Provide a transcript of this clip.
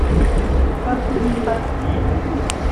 不偏不倚